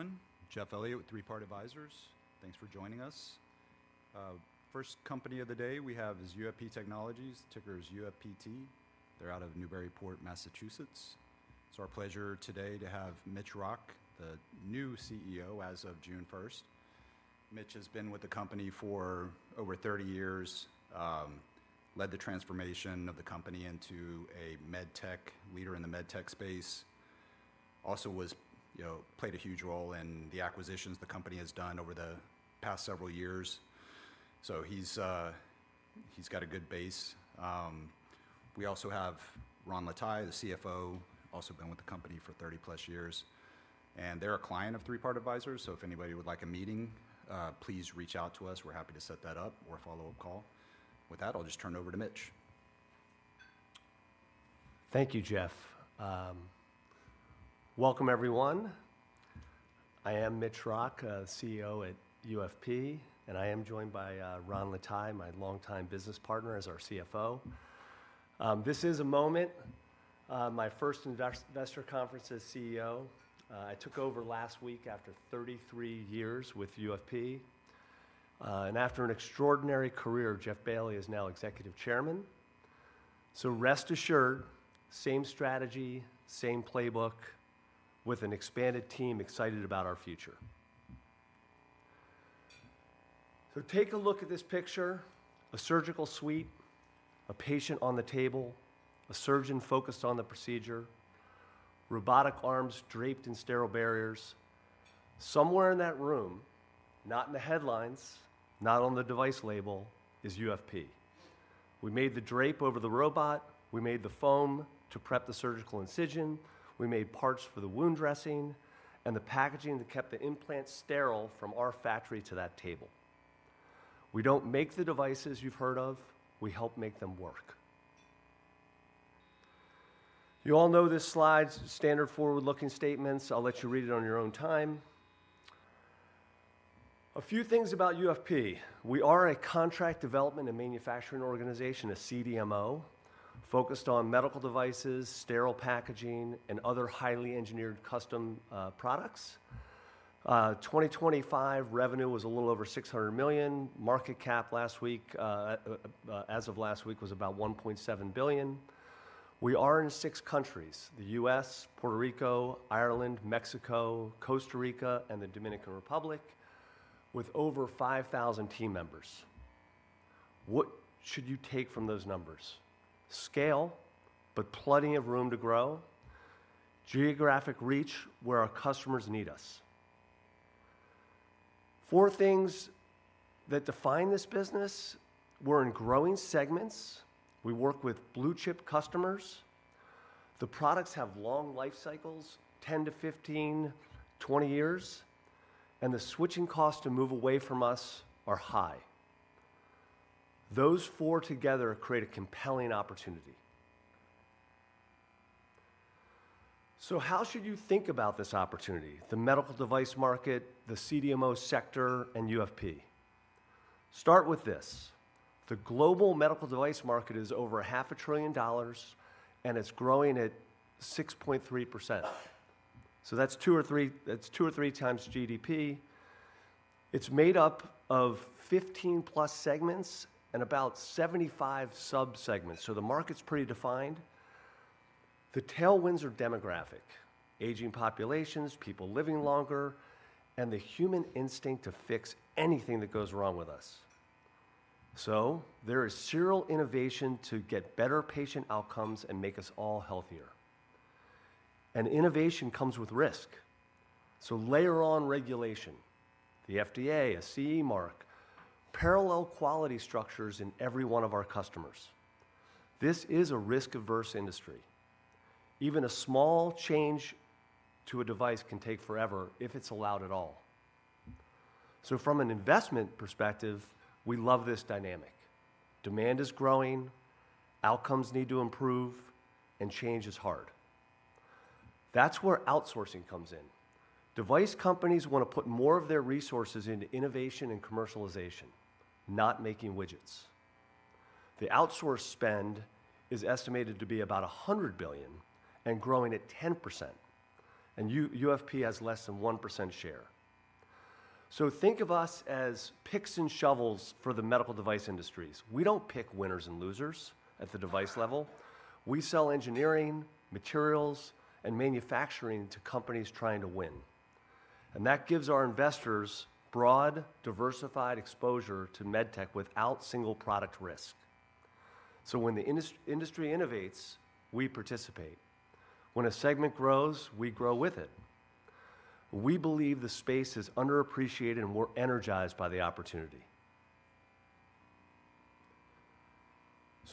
Morning, everyone. Jeff Elliott with Three Part Advisors. Thanks for joining us. First company of the day we have is UFP Technologies, ticker is UFPT. They're out of Newburyport, Massachusetts. It's our pleasure today to have Mitch Rock, the new CEO as of June 1st. Mitch has been with the company for over 30 years, led the transformation of the company into a Medtech leader in the Medtech space. Also played a huge role in the acquisitions the company has done over the past several years. He's got a good base. We also have Ron Lataille, the CFO, also been with the company for +30 years. They're a client of Three Part Advisors, if anybody would like a meeting, please reach out to us. We're happy to set that up or a follow-up call. With that, I'll just turn it over to Mitch. Thank you, Jeff. Welcome, everyone. I am Mitch Rock, CEO at UFP, and I am joined by Ron Lataille, my longtime business partner as our CFO. This is a moment, my first investor conference as CEO. I took over last week after 33 years with UFP. After an extraordinary career, Jeff Bailly is now Executive Chairman. Rest assured, same strategy, same playbook, with an expanded team excited about our future. Take a look at this picture. A surgical suite, a patient on the table, a surgeon focused on the procedure, robotic arms draped in sterile barriers. Somewhere in that room, not in the headlines, not on the device label, is UFP. We made the drape over the robot, we made the foam to prep the surgical incision, we made parts for the wound dressing, and the packaging that kept the implant sterile from our factory to that table. We don't make the devices you've heard of. We help make them work. You all know this slide. Standard forward-looking statements. I'll let you read it on your own time. A few things about UFP. We are a contract development and manufacturing organization, a CDMO, focused on medical devices, sterile packaging, and other highly engineered custom products. 2025 revenue was a little over $600 million. Market cap as of last week was about $1.7 billion. We are in six countries, the U.S., Puerto Rico, Ireland, Mexico, Costa Rica, and the Dominican Republic, with over 5,000 team members. What should you take from those numbers? Scale, but plenty of room to grow. Geographic reach where our customers need us. Four things that define this business. We're in growing segments. We work with blue-chip customers. The products have long life cycles, 10-15, 20 years. The switching costs to move away from us are high. Those four together create a compelling opportunity. How should you think about this opportunity, the medical device market, the CDMO sector, and UFP? Start with this. The global medical device market is over half a trillion dollars, and it's growing at 6.3%. That's two or three times GDP. It's made up of +15 segments and about 75 sub-segments. The market's pretty defined. The tailwinds are demographic, aging populations, people living longer, and the human instinct to fix anything that goes wrong with us. There is serial innovation to get better patient outcomes and make us all healthier. Innovation comes with risk. Layer on regulation, the FDA, a CE mark, parallel quality structures in every one of our customers. This is a risk-averse industry. Even a small change to a device can take forever if it is allowed at all. From an investment perspective, we love this dynamic. Demand is growing, outcomes need to improve, and change is hard. That is where outsourcing comes in. Device companies want to put more of their resources into innovation and commercialization, not making widgets. The outsource spend is estimated to be about $100 billion and growing at 10%, and UFP has less than 1% share. Think of us as picks and shovels for the medical device industries. We do not pick winners and losers at the device level. We sell engineering, materials, and manufacturing to companies trying to win. That gives our investors broad, diversified exposure to med tech without single product risk. When the industry innovates, we participate. When a segment grows, we grow with it. We believe the space is underappreciated, and we are energized by the opportunity.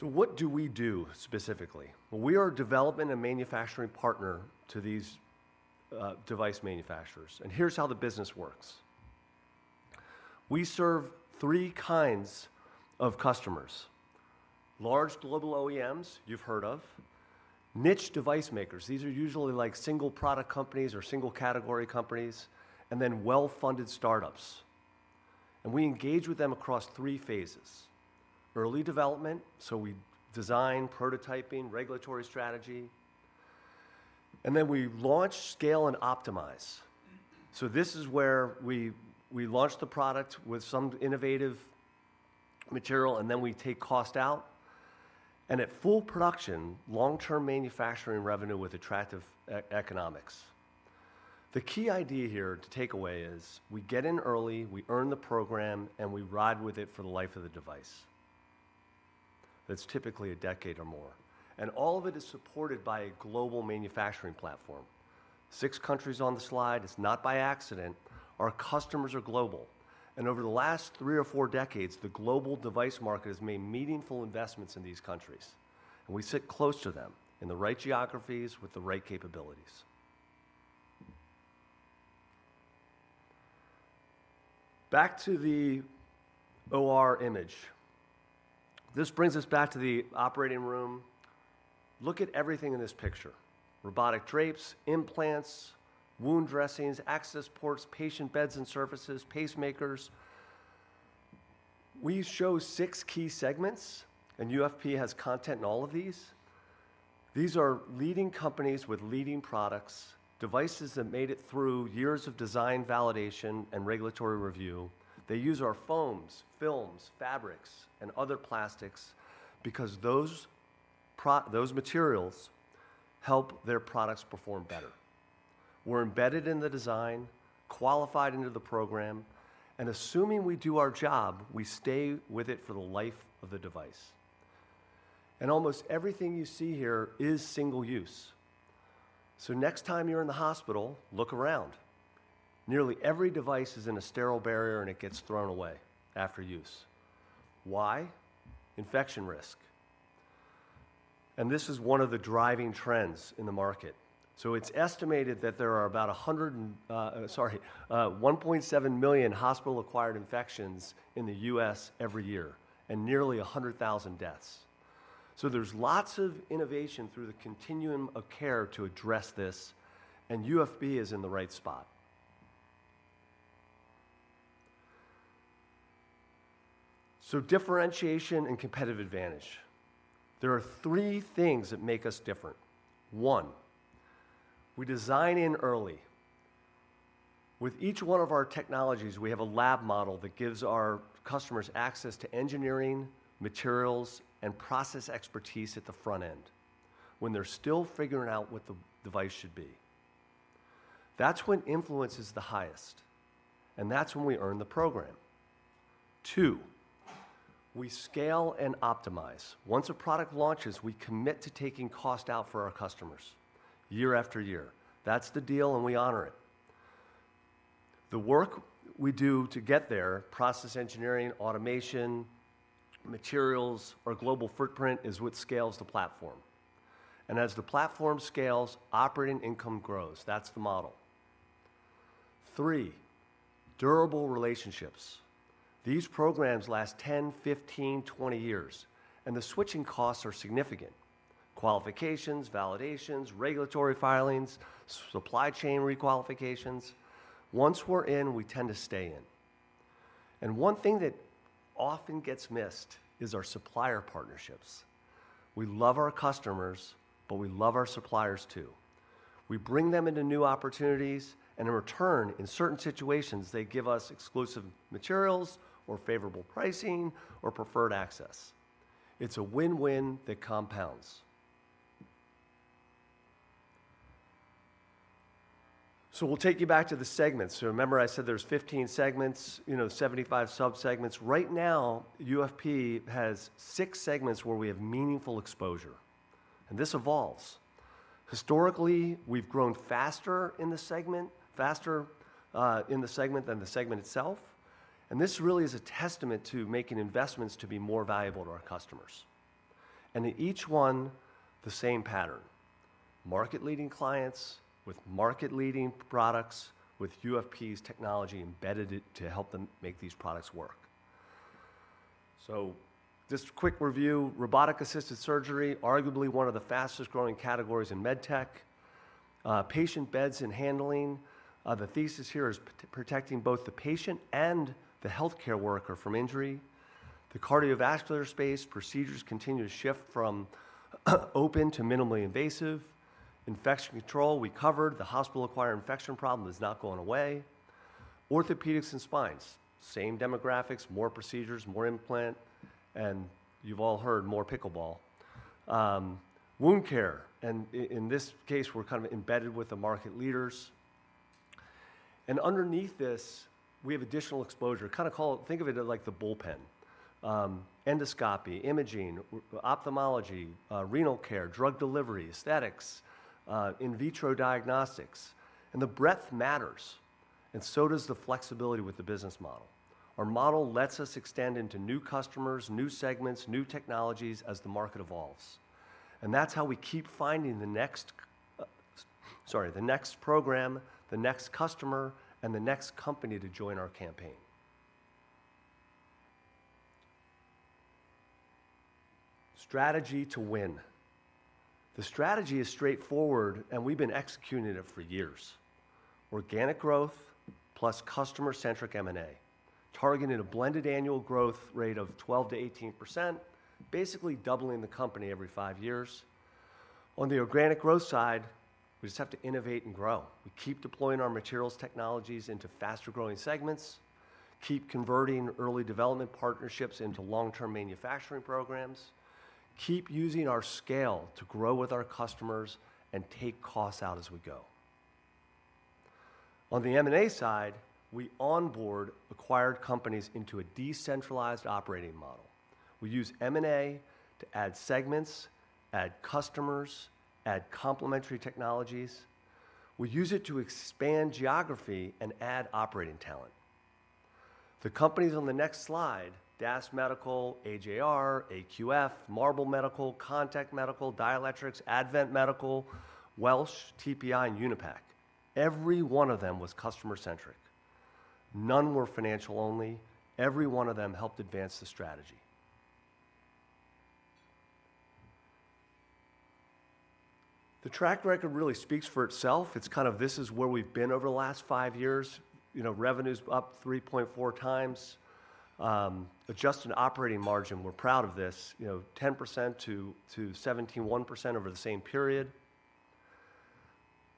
What do we do specifically? Well, we are a development and manufacturing partner to these device manufacturers, and here is how the business works. We serve three kinds of customers: large global OEMs you have heard of, niche device makers—these are usually single product companies or single category companies—and then well-funded startups. We engage with them across three phases. Early development: we design, prototyping, regulatory strategy, and then we launch, scale, and optimize. This is where we launch the product with some innovative material, and then we take cost out, and at full production, long-term manufacturing revenue with attractive economics. The key idea here to take away is we get in early, we earn the program, and we ride with it for the life of the device. That is typically a decade or more. All of it is supported by a global manufacturing platform. Six countries on the slide. It is not by accident. Our customers are global. Over the last three or four decades, the global device market has made meaningful investments in these countries, and we sit close to them in the right geographies with the right capabilities. Back to the OR image. This brings us back to the operating room. Look at everything in this picture. Robotic drapes, implants, wound dressings, access ports, patient beds and surfaces, pacemakers. We show six key segments, and UFP has content in all of these. These are leading companies with leading products, devices that made it through years of design validation and regulatory review. They use our foams, films, fabrics, and other plastics because those materials help their products perform better. We are embedded in the design, qualified into the program, and assuming we do our job, we stay with it for the life of the device. Almost everything you see here is single use. Next time you are in the hospital, look around. Nearly every device is in a sterile barrier, and it gets thrown away after use. Why? Infection risk. This is one of the driving trends in the market. It is estimated that there are about 1.7 million hospital-acquired infections in the U.S. every year and nearly 100,000 deaths. There is lots of innovation through the continuum of care to address this, and UFP is in the right spot. Differentiation and competitive advantage. There are three things that make us different. One, we design in early. With each one of our technologies, we have a lab model that gives our customers access to engineering, materials, and process expertise at the front end when they're still figuring out what the device should be. That's when influence is the highest, and that's when we earn the program. Two, we scale and optimize. Once a product launches, we commit to taking cost out for our customers year after year. That's the deal, and we honor it. The work we do to get there, process engineering, automation, materials, our global footprint, is what scales the platform. As the platform scales, operating income grows. That's the model. Three, durable relationships. These programs last 10, 15, 20 years, and the switching costs are significant. Qualifications, validations, regulatory filings, supply chain re-qualifications. Once we're in, we tend to stay in. One thing that often gets missed is our supplier partnerships. We love our customers, but we love our suppliers, too. We bring them into new opportunities, and in return, in certain situations, they give us exclusive materials or favorable pricing or preferred access. It's a win-win that compounds. We'll take you back to the segments. Remember I said there's 15 segments, 75 subsegments. Right now, UFP has six segments where we have meaningful exposure, and this evolves. Historically, we've grown faster in the segment than the segment itself, and this really is a testament to making investments to be more valuable to our customers. In each one, the same pattern. Market-leading clients with market-leading products with UFP's technology embedded to help them make these products work. Just a quick review. Robotic-assisted surgery, arguably one of the fastest-growing categories in med tech. Patient beds and handling. The thesis here is protecting both the patient and the healthcare worker from injury. The cardiovascular space procedures continue to shift from open to minimally invasive. Infection control, we covered. The hospital-acquired infection problem is not going away. Orthopedics and spines, same demographics, more procedures, more implant, and you've all heard more pickleball. Wound care, and in this case, we're kind of embedded with the market leaders. Underneath this, we have additional exposure. Think of it like the bullpen. Endoscopy, imaging, ophthalmology, renal care, drug delivery, aesthetics, in vitro diagnostics. The breadth matters, and so does the flexibility with the business model. Our model lets us extend into new customers, new segments, new technologies as the market evolves, and that's how we keep finding the next program, the next customer, and the next company to join our campaign. Strategy to win. The strategy is straightforward, and we've been executing it for years. Organic growth plus customer-centric M&A, targeting a blended annual growth rate of 12%-18%, basically doubling the company every five years. On the organic growth side, we just have to innovate and grow. We keep deploying our materials technologies into faster-growing segments, keep converting early development partnerships into long-term manufacturing programs, keep using our scale to grow with our customers, and take costs out as we go. On the M&A side, we onboard acquired companies into a decentralized operating model. We use M&A to add segments, add customers, add complementary technologies. We use it to expand geography and add operating talent. The companies on the next slide, DAS Medical, AJR, AQF, Marble Medical, Contech Medical, Dielectrics, Advant Medical, Welch Fluorocarbon, TPI, and UNIPEC, every one of them was customer-centric. None were financial only. Every one of them helped advance the strategy. The track record really speaks for itself. It's kind of this is where we've been over the last five years. Revenue's up 3.4x. Adjusted operating margin, we're proud of this, 10%-17.1% over the same period.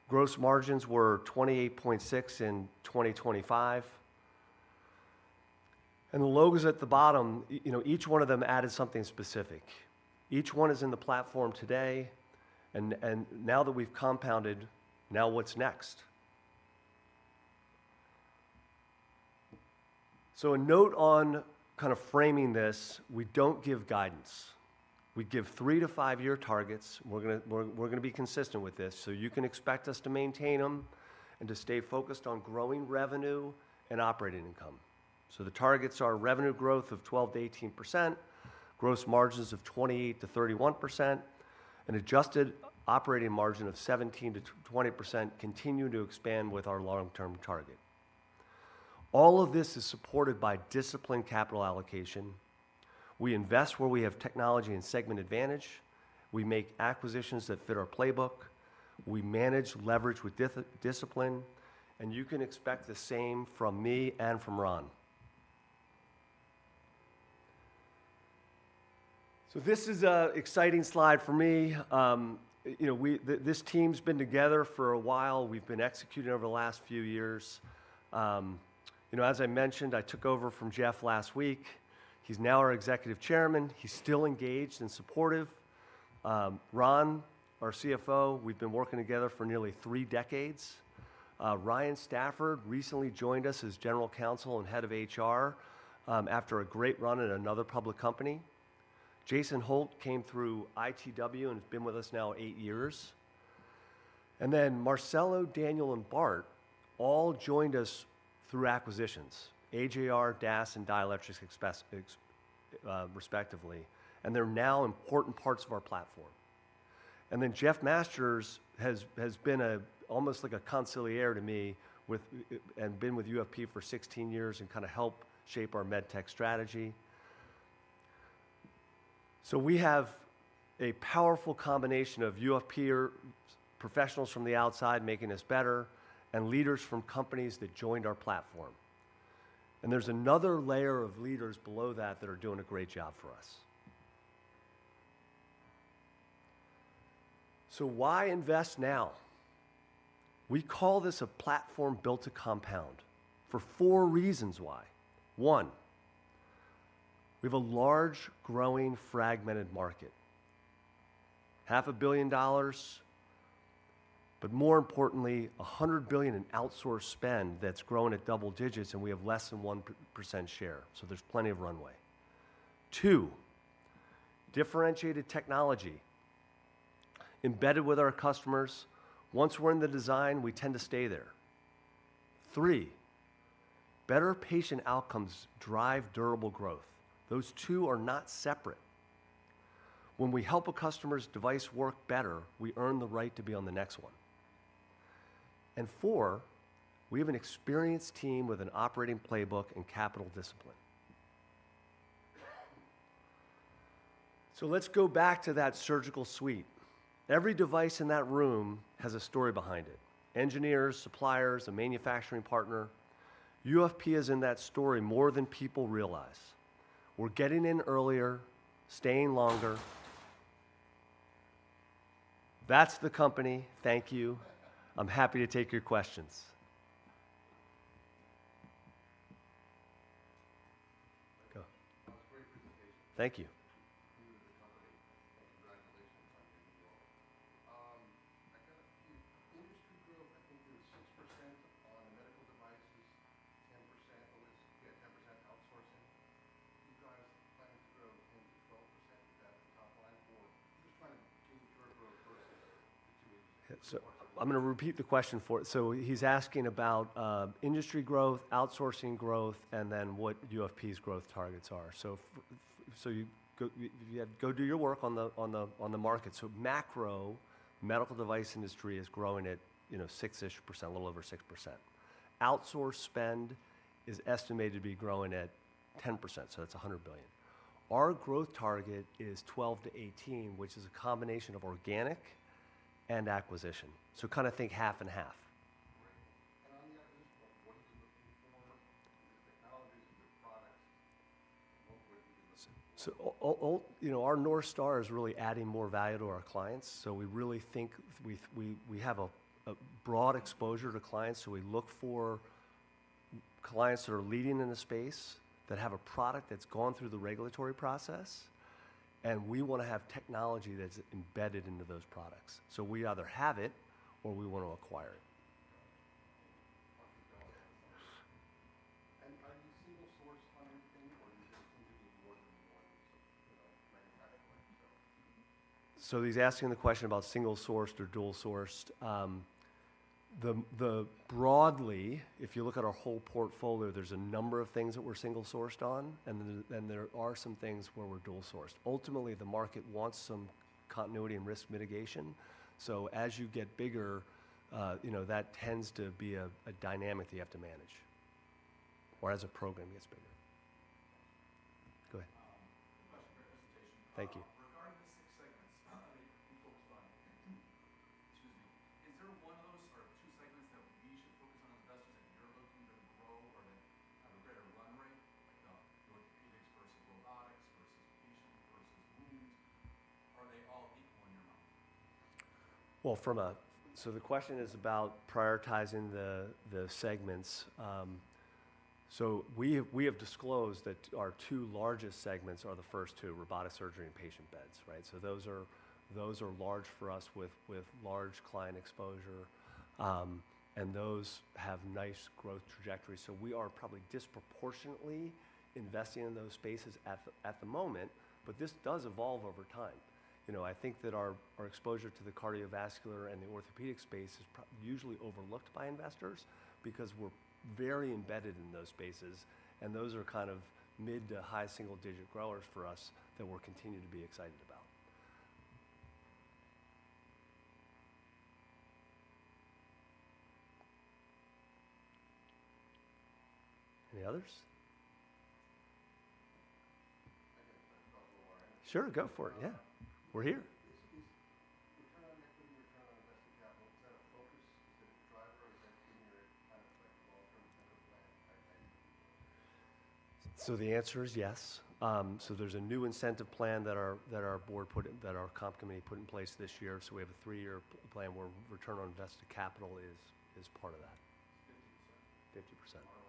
Gross margins were 28.6% in 2025. The logos at the bottom, each one of them added something specific. Each one is in the platform today, and now that we've compounded, now what's next? A note on framing this. We don't give guidance. We give three- to five-year targets. We're going to be consistent with this, you can expect us to maintain them and to stay focused on growing revenue and operating income. The targets are revenue growth of 12%-18%, gross margins of 28%-31%, and adjusted operating margin of 17%-20%, continuing to expand with our long-term target. All of this is supported by disciplined capital allocation. We invest where we have technology and segment advantage. We make acquisitions that fit our playbook. We manage leverage with discipline, and you can expect the same from me and from Ron. This is an exciting slide for me. This team's been together for a while. We've been executing over the last few years. As I mentioned, I took over from Jeff last week. He's now our Executive Chairman. He's still engaged and supportive. Ron, our CFO, we've been working together for nearly three decades. Ryan Stafford recently joined us as General Counsel and Head of HR, after a great run at another public company. Jason Holt came through ITW and has been with us now eight years. Marcelo, Daniel, and Bart all joined us through acquisitions, AJR, DAS, and Dielectrics, respectively, and they're now important parts of our platform. Jeff Masters has been almost like a consigliere to me, and been with UFP for 16 years and helped shape our Medtech strategy. We have a powerful combination of UFP professionals from the outside making us better and leaders from companies that joined our platform. There's another layer of leaders below that that are doing a great job for us. Why invest now? We call this a platform built to compound for four reasons why. One, we have a large, growing, fragmented market. $0.5 Billion, but more importantly, $100 billion in outsourced spend that's grown at double digits, we have less than 1% share, there's plenty of runway. Two, differentiated technology embedded with our customers. Once we're in the design, we tend to stay there. Three, better patient outcomes drive durable growth. Those two are not separate. When we help a customer's device work better, we earn the right to be on the next one. Four, we have an experienced team with an operating playbook and capital discipline. Let's go back to that surgical suite. Every device in that room has a story behind it. Engineers, suppliers, a manufacturing partner. UFP is in that story more than people realize. We're getting in earlier, staying longer. That's the company. Thank you. I'm happy to take your questions. Go. That was a great presentation. Thank you. You and the company. Congratulations on your new role. I got a few. Industry growth, I think it was 6% on medical devices, 10% outsourcing. You guys planning to grow 10%-12%? Is that the top line, or you're just planning to keep your growth versus between- I'm going to repeat the question. He's asking about industry growth, outsourcing growth, and then what UFPT's growth targets are. Go do your work on the market. Macro, medical device industry is growing at 6-ish%, a little over 6%. Outsource spend is estimated to be growing at 10%, that's $100 billion. Our growth target is 12%-18%, which is a combination of organic and acquisition. Kind of think half and half. Great. On the acquisition front, what are you looking for in the technologies and the products? What were you looking for? Our North Star is really adding more value to our clients. We really think we have a broad exposure to clients, so we look for clients that are leading in the space, that have a product that's gone through the regulatory process, and we want to have technology that's embedded into those products. We either have it or we want to acquire it. Got it. Are you a single-source kind of thing, or do you tend to be more than one brand, kind of like? He's asking the question about single-sourced or dual-sourced. Broadly, if you look at our whole portfolio, there's a number of things that we're single-sourced on, and then there are some things where we're dual-sourced. Ultimately, the market wants some continuity and risk mitigation. As you get bigger, that tends to be a dynamic that you have to manage, or as a program gets bigger. Go ahead. Question for your presentation. Thank you. Regarding the six segments, excuse me, is there one of those or two segments that we should focus on as investors that you're looking to grow or that have a greater run rate, like orthopedics versus robotics versus patient versus wounds? Are they all equal in your mind? The question is about prioritizing the segments. We have disclosed that our two largest segments are the first two, robotic surgery and patient beds. Those are large for us with large client exposure. Those have nice growth trajectories. We are probably disproportionately investing in those spaces at the moment, but this does evolve over time. I think that our exposure to the cardiovascular and the orthopedic space is usually overlooked by investors because we're very embedded in those spaces, and those are mid to high single-digit growers for us that we're continuing to be excited about. Any others? I got a couple more. Sure, go for it. Yeah. We're here. Is return on equity, return on invested capital, is that a focus? Is it a driver or is that in your long-term kind of plan type thing? The answer is yes. There's a new incentive plan that our comp committee put in place this year. We have a three-year plan where return on invested capital is part of that. It's 50%. 50%. ROIC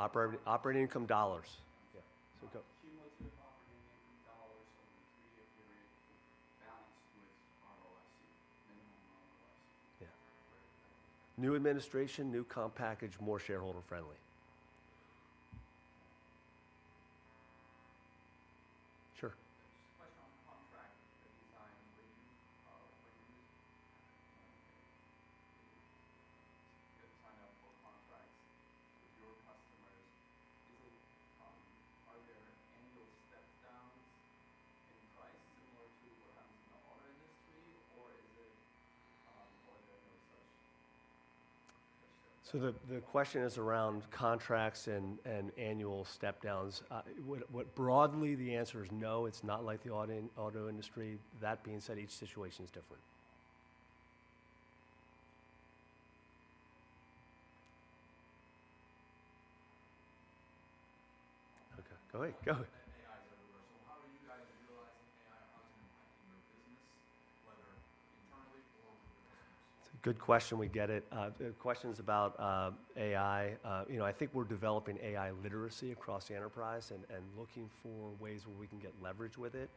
is 50%. Yeah. What are the other parts that have to do with the overall? Is it the other 50%? Operating income dollars. Okay. Yeah. Cumulative operating income dollars over a three-year period balanced with ROIC, minimum ROIC. Yeah. Okay. New administration, new comp package, more shareholder-friendly. Sure. Just a question on the contract design for you. When you sign up for contracts with your customers, are there annual step downs in price similar to what happens in the auto industry, or are there no such? The question is around contracts and annual step downs. Broadly, the answer is no. It's not like the auto industry. That being said, each situation is different. Okay. Go ahead. AI is everywhere. How are you guys realizing AI and how it's going to impact your business, whether internally or with your customers? It's a good question. We get it. The question's about AI. I think we're developing AI literacy across the enterprise and looking for ways where we can get leverage with it.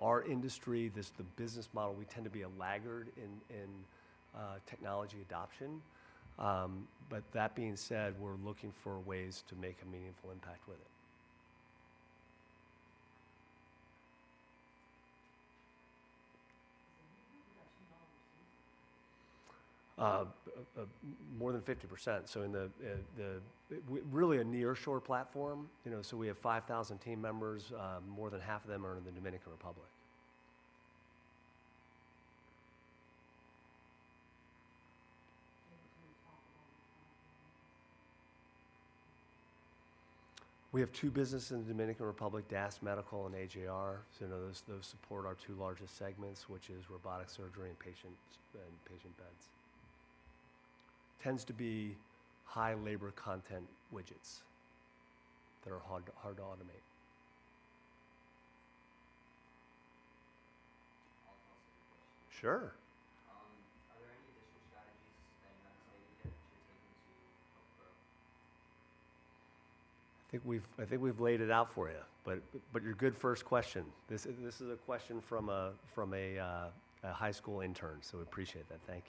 Our industry, the business model, we tend to be a laggard in technology adoption. That being said, we're looking for ways to make a meaningful impact with it. Is any of your production done overseas? More than 50%. Really a nearshore platform. We have 5,000 team members. More than half of them are in the Dominican Republic. We have two businesses in the Dominican Republic, DAS Medical and AJR. Those support our two largest segments, which is robotic surgery and patient beds. Tends to be high labor content widgets that are hard to automate. I'll throw some questions. Sure. Are there any different strategies that you're taking to help grow? I think we've laid it out for you, but you're good first question. This is a question from a high school intern, so we appreciate that. Thank you.